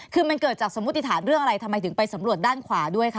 คือมันเกิดจากสมมุติฐานเรื่องอะไรทำไมถึงไปสำรวจด้านขวาด้วยคะ